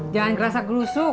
jangan kerasa gelusuk